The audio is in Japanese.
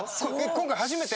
今回初めて？